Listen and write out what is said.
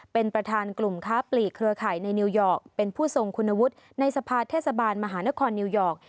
เป็นประธานกลุ่มค้าปลีกเครือข่ายในนิวยอร์กเป็นผู้ทรงคุณวุฒิในสภาเทศบาลมหานครนิวยอร์ก